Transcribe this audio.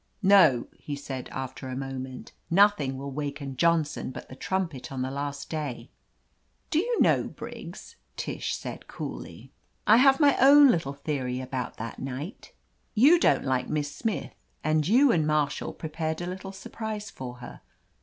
"No," he said, after a moment, "nothing will waken Johnson but the trumpet on the last day." "Do you know, Briggs," Tish said coolly, "I 90 OF LETITIA CARBERRY have my own little theory about that night? You don't like Miss Smith, and you and Mar shall prepared a little surprise for her.